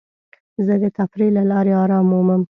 زه د تفریح له لارې ارام مومم.